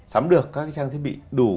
sắm được các trang thiết bị đủ